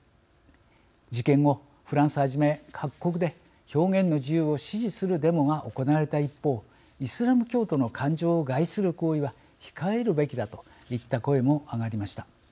事件後フランスはじめ各国で表現の自由を支持するデモが行われた一方イスラム教徒の感情を害する行為は控えるべきだといった声も上がりました。